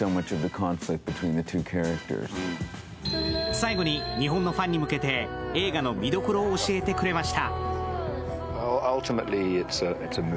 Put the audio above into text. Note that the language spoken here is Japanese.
最後に日本のファンに向けて映画の見どころを教えてくれました。